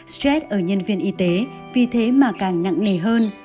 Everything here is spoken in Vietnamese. stress ở nhân viên y tế vì thế mà càng nặng nề hơn